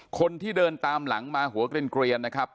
คนที่เดินตามหลังมาหัวเกลียนนะครับ